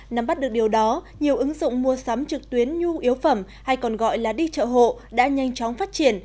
nắm bắt được điều đó nhiều ứng dụng mua sắm trực tuyến nhu yếu phẩm hay còn gọi là đi chợ hộ đã nhanh chóng phát triển